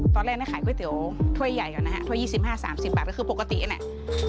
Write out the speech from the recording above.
ตอนแรกขายก๋วยเตี๋ยวถ้วยใหญ่ก่อนนะฮะถ้วย๒๕๓๐บาทก็คือปกติเนี่ย